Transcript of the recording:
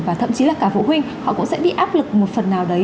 và thậm chí là cả phụ huynh họ cũng sẽ bị áp lực một phần nào đấy